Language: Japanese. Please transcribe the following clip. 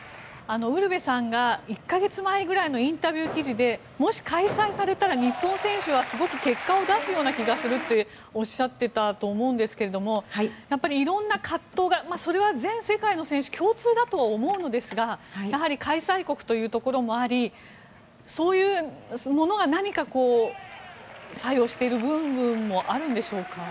ウルヴェさんが１か月前ぐらいのインタビュー記事でもし開催された日本選手はすごく結果を出すような気がするっておっしゃっていたと思うんですがやっぱり色んな葛藤がそれは全世界の選手共通だとは思うのですがやはり開催国ということもありそういうものが何か作用している部分もあるのでしょうか。